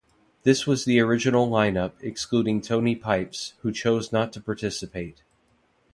This was the original line up, excluding Tony Pipes, who chose not to participate.